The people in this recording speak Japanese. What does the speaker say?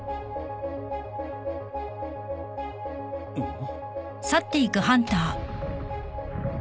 ん？